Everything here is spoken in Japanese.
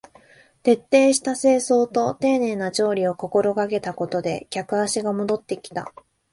徹底した清掃と丁寧な調理を心がけたことで客足が戻ってきた